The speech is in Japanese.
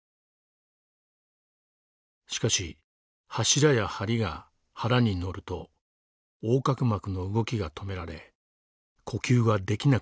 しかし柱やはりが腹に載ると横隔膜の動きが止められ呼吸ができなくなります。